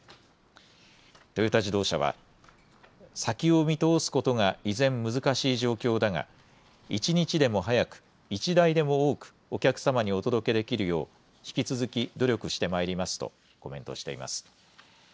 トヨタ自動車は先を見通すことが依然、難しい状況だが一日でも早く１台でも多くお客様にお届けできるよう引き続き努力してまいりますとコメントしています。